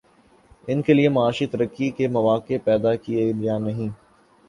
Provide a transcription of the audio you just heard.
ان کے لیے معاشی ترقی کے مواقع پیدا کیے یا نہیں؟